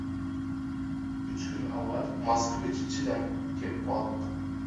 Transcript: Uch kun avval «Moskvich»ida kep qoldi.